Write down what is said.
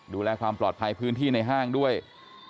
แต่เขาไม่ได้วิ่งมาเลยว่ะค่ะ